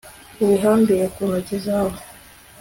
Ubihambire ku ntoki zawe